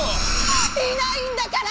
いないんだから！